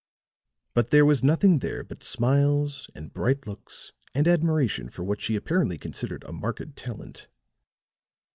But there was nothing there but smiles and bright looks and admiration for what she apparently considered a marked talent.